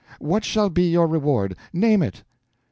What shall be your reward? Name it."